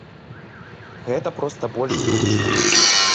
Гэта проста больш зручна.